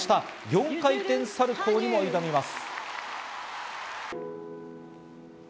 ４回転サルコーにも挑みます。